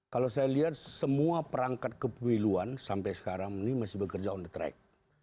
kalau saya lihat semua perangkat kepemiluan sampai sekarang ini masih bekerja on the track